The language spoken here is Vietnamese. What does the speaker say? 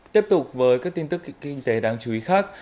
tiếp tục với các tin tức kinh tế đáng chú ý khác